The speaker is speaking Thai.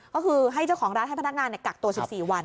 ก็คือให้เจ้าของร้านให้พนักงานกักตัว๑๔วัน